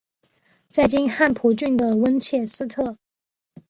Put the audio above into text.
在今汉普郡的温切斯特。